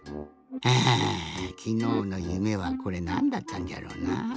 あきのうのゆめはこれなんだったんじゃろうなあ？